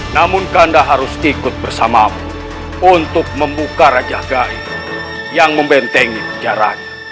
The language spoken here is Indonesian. namun kanda harus ikut bersamamu untuk membuka rajah gaya yang membentengi penjaranya